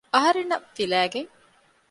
އަހަރެންނަށް ފިލައިގެން